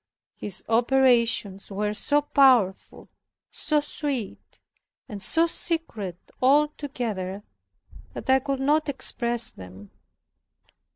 His operations were so powerful, so sweet, and so secret, all together, that I could not express them.